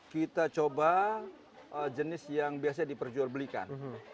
kita coba jenis yang biasanya diperjual belikan